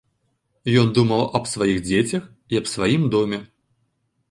Ён думаў аб сваіх дзецях і аб сваім доме.